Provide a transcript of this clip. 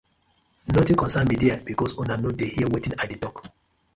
Notin concern mi there because una no dey hear wetin me I dey tok.